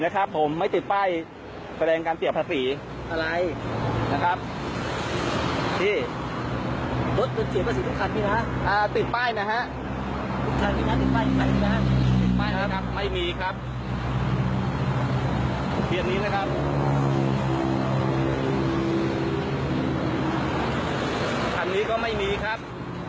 อันนี้ก็ไม่มีครับ